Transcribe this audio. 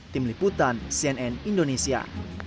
tim liputan cnn indonesia